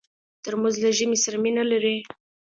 ترموز له ژمي سره مینه لري.